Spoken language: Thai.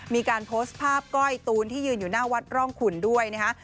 มีการโพสต์ภาพก้อยตูนที่ยืนอยู่หน้าวัดร่องขุนด้วยนะฮะ